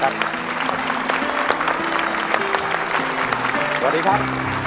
สวัสดีครับ